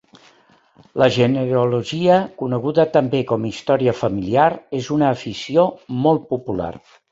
La genealogia, coneguda també com a història familiar, és una afició molt popular